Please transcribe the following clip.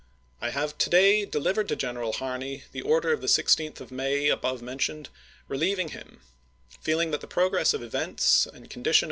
I have to day dehvered to General Harney the order of the 16th of May above mentioned relieving him, jr^to tbe' feeling that the progress of events and condition of MaysMsei.